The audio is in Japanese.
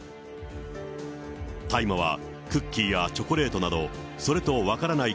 大麻はクッキーやチョコレートなど、それと分からない